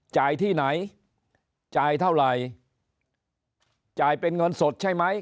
ที่ไหนจ่ายเท่าไหร่จ่ายเป็นเงินสดใช่ไหม